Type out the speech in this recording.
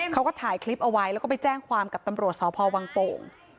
เขาก็ถ่ายคลิปเอาไว้แล้วก็ไปแจ้งความกับตำรวจสพวังโป่ง